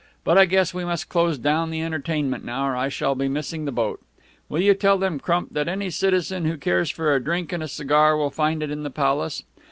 But I guess we must close down the entertainment now, or I shall be missing the boat. Will you tell them, Crump, that any citizen who cares for a drink and a cigar will find it in the Palace.